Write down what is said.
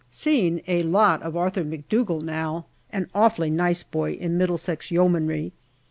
Seeing a lot of Arthur McDougall now, an awfully nice boy in Middlesex Yeomanry.